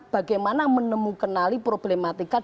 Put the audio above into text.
bagaimana menemukanali problematika